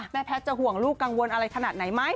แพทย์จะห่วงลูกกังวลอะไรขนาดไหนไหม